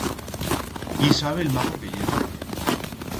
Quí sabe el majo que yera.